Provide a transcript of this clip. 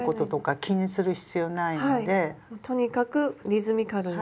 とにかくリズミカルに。